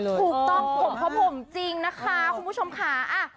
ถูกต้องผมผมจริงค่ะคุณผู้ชมค่า